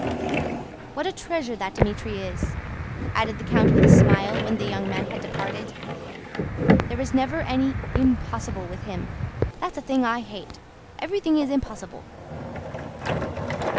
"What a treasure that Dmítri is," added the count with a smile when the young man had departed. "There is never any 'impossible' with him. That's a thing I hate! Everything is possible."